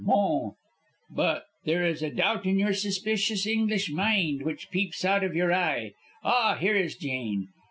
"Bon. But there is a doubt in your suspicious English mind which peeps out of your eye. Ah, here is Jane.